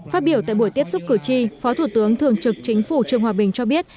phát biểu tại buổi tiếp xúc cử tri phó thủ tướng thường trực chính phủ trương hòa bình cho biết